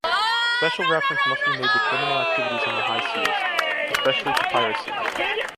Special reference must be made to criminal activities on the high seas, especially to piracy.